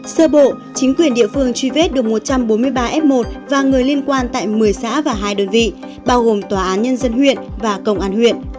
sơ bộ chính quyền địa phương truy vết được một trăm bốn mươi ba f một và người liên quan tại một mươi xã và hai đơn vị bao gồm tòa án nhân dân huyện và công an huyện